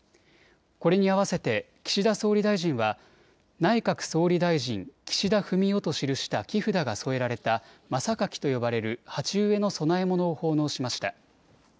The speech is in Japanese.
これに合わせて岸田総理大臣は内閣総理大臣岸田文雄と記した木札が添えられた真榊と呼ばれる鉢植えの供え物を奉納しました。